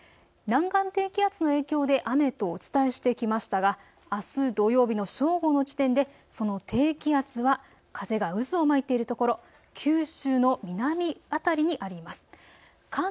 南岸低気圧の影響で雨とお伝えしてきましたが、あす土曜日の正午の時点でその低気圧は風が渦を巻いているところ、九州の南辺りにあります。